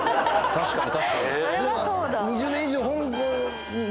確かに。